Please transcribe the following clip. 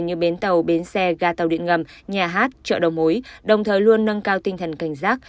như bến tàu bến xe ga tàu điện ngầm nhà hát chợ đầu mối đồng thời luôn nâng cao tinh thần cảnh giác